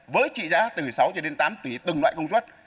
với trị giá từ sáu cho đến tám tùy từng loại công suất